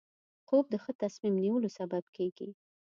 خوب د ښه تصمیم نیولو سبب کېږي